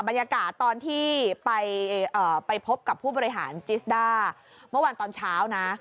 บรรยากาศตอนที่ไปพบกับผู้บริหารจิสด้าเมื่อวานตอนเช้านะ